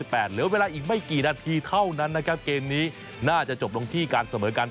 เหลือเวลาอีกไม่กี่นาทีเท่านั้นนะครับเกมนี้น่าจะจบลงที่การเสมอกัน